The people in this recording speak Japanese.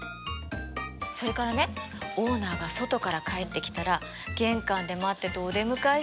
それからねオーナーが外から帰ってきたら玄関で待っててお出迎えしてくれるのよ。